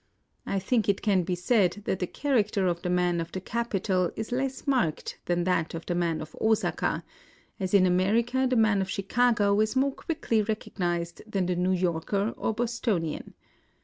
I think it can be said that the character of the man of the capital is less marked than that of the man of Osaka, — as in America the man of Chicago is more quickly recognized than the New Yorker or Bostonian.